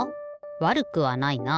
わるくはないな。